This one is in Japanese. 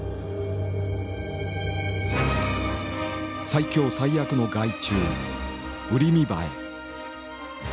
最強最悪の害虫「ウリミバエ」。